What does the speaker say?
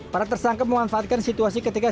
para tersangka memanfaatkan situasi ketika